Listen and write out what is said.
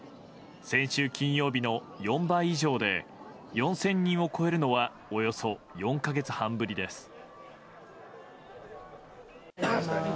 先週金曜日の４倍以上で４０００人を超えるのはおよそ４か月半ぶりです。